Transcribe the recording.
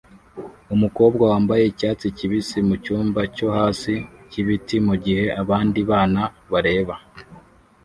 numukobwa wambaye icyatsi kibisi mucyumba cyo hasi cyibiti mugihe abandi bana bareba